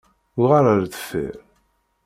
Uɣal ar deffir!